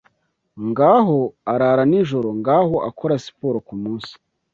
Ngaho arara nijoro; Ngaho akora siporo kumunsi